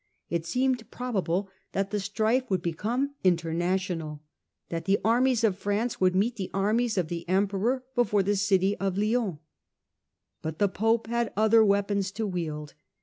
It seemed probable that the strife would become international, that the armies of France would meet the armies of the Emperor before the city of Lyons. But the Pope had other weapons to wield.